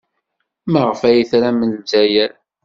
Maɣef ay tram Lezzayer?